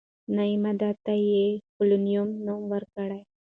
نوې ماده ته یې «پولونیم» نوم ورکړ.